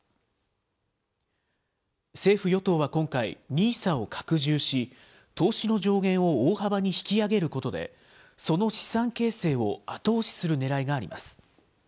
政府・与党は今回、ＮＩＳＡを拡充し、投資の上限を大幅に引き上げることで、その資産形成を後押しするねらいがあります。